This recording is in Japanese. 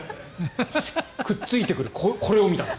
くっついてくる、これを見た。